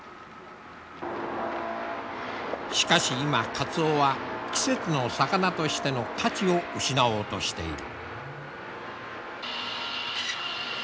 しかし今カツオは季節の魚としての価値を失おうとしている。